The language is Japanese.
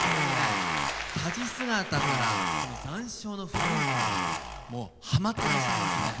立ち姿から「残照」の雰囲気にはまってらっしゃいますね。